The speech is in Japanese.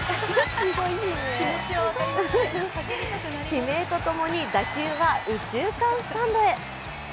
悲鳴とともに打球は右中間スタンドへ。